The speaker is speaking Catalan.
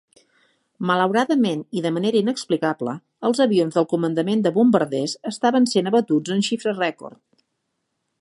Malauradament i de manera inexplicable, els avions del Comandament de Bombarders estaven sent abatuts en xifres rècord.